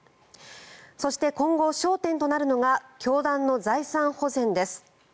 そして今後、焦点となるのが教団の財産保全です。